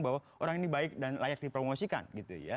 bahwa orang ini baik dan layak dipromosikan gitu ya